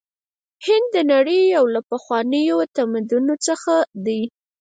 هند د نړۍ یو له پخوانیو تمدنونو څخه دی.